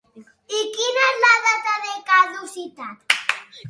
I quina és la data de caducitat?